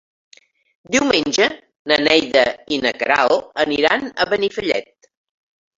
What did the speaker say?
Diumenge na Neida i na Queralt aniran a Benifallet.